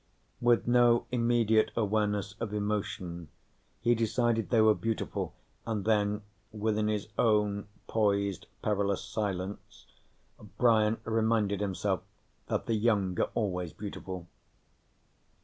With no immediate awareness of emotion, he decided they were beautiful, and then, within his own poised, perilous silence, Brian reminded himself that the young are always beautiful.